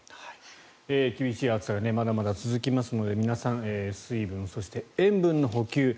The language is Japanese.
厳しい暑さがまだまだ続きますので皆さん水分、そして塩分の補給。